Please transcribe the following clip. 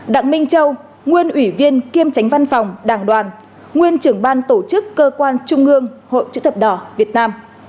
đặng minh châu nguyên ủy viên kiêm tránh văn phòng đảng đoàn nguyên trưởng ban tổ chức cơ quan trung ương hội chữ thập đỏ việt nam